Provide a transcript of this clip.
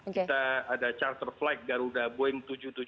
kita ada charter flight garuda boeing tujuh ratus tujuh puluh